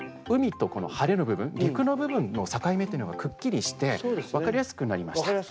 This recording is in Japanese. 海と、この晴れの部分陸の部分の境目というのがくっきりして分かりやすくなりました。